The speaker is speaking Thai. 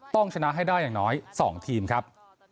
ต้องชนะให้ได้อย่างน้อย๒ทีมครับ